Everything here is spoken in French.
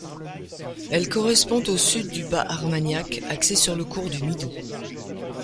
Elle correspond au sud du Bas-Armagnac, axé sur le cours du Midou.